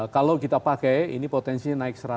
kalau kita pakai ini potensinya naik seratus